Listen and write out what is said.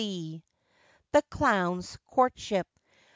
THE CLOWN'S COURTSHIP.